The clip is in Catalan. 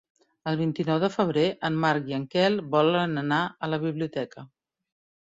El vint-i-nou de febrer en Marc i en Quel volen anar a la biblioteca.